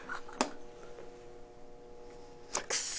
クソ！